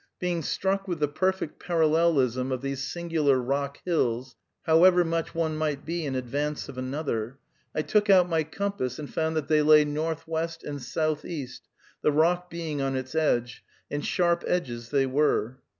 Being struck with the perfect parallelism of these singular rock hills, however much one might be in advance of another, I took out my compass and found that they lay northwest and southeast, the rock being on its edge, and sharp edges they were.